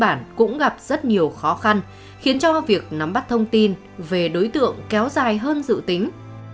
bà con dân bản cũng gặp rất nhiều khó khăn khiến cho việc nắm bắt thông tin về đối tượng kéo dài hơn dự tính